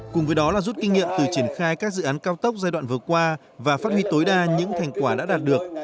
cùng với đó là rút kinh nghiệm từ triển khai các dự án cao tốc giai đoạn vừa qua và phát huy tối đa những thành quả đã đạt được